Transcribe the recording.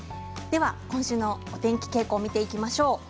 今週のお天気傾向を見ていきましょう。